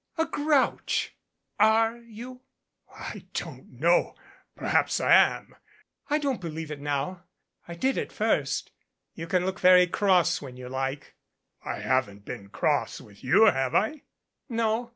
"A grouch. Are you?" "I don't know. Perhaps I am." "I don't believe it now. I did at first. You can look very cross when you like." 44 BREAD AND SALT "I haven't been cross with you, have I?" "No.